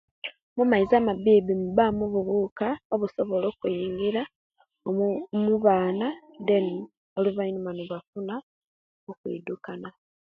Mumaizi amabibi mubanu ibubuka obusobola okuiyingira omubaana den olivanyuma nebafuna okwidukana